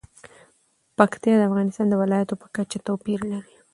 پکتیا د افغانستان د ولایاتو په کچه توپیر لري.